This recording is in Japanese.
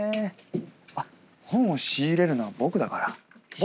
あっ本を仕入れるのは僕だから僕のセンスか？